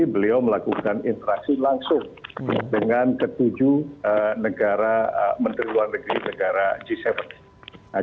beliau melakukan interaksi langsung dengan ketujuh negara menteri luar negeri negara g tujuh